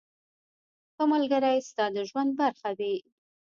• ښه ملګری ستا د ژوند برخه وي.